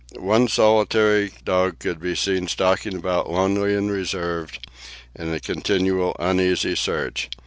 One solitary dog could be seen stalking about, lonely and reserved, in a continual uneasy search.